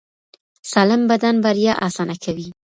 سالم بدن بریا اسانه کوي.